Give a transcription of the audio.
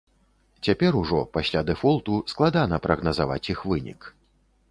Цяпер ужо, пасля дэфолту, складана прагназаваць іх вынік.